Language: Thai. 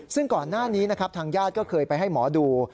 ซึ่งก่อนหน้านี้นะครับทางญาติก็เคยไปให้หมอดู